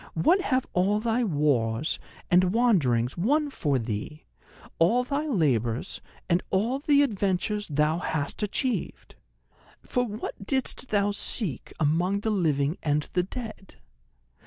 What have all thy wars and wanderings won for thee, all thy labours, and all the adventures thou hast achieved? For what didst thou seek among the living and the dead?